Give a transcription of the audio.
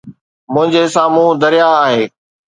منهنجي سامهون درياهه آهي.